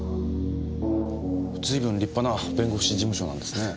随分立派な弁護士事務所なんですね。